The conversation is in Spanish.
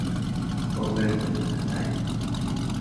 Popper se volvió a casar y se divorció.